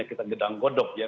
kita gedang godok ya